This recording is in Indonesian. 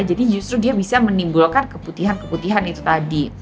jadi justru dia bisa menimbulkan keputihan keputihan itu tadi